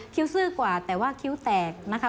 ซื่อกว่าแต่ว่าคิ้วแตกนะคะ